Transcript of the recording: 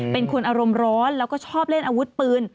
เป็นคนอารมณ์ร้อนแล้วก็ชอบเล่นอาวุธปืน